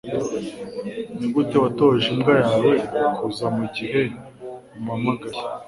Nigute watoje imbwa yawe kuza mugihe umuhamagaye